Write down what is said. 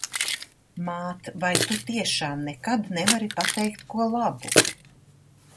Māt, vai tu tiešām nekad nevari pateikt ko labu?